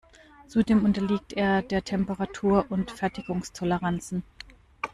Zudem unterliegt er der Temperatur und Fertigungstoleranzen.